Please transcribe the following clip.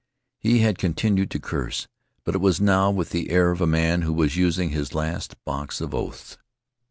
He had continued to curse, but it was now with the air of a man who was using his last box of oaths.